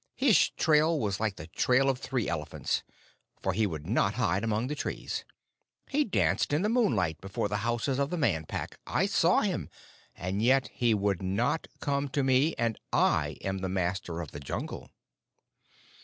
His trail was like the trail of three elephants, for he would not hide among the trees. He danced in the moonlight before the houses of the Man Pack. I saw him, and yet he would not come to me; and I am the Master of the Jungle!"